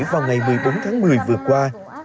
vào ngày một mươi bốn tháng một mươi vừa qua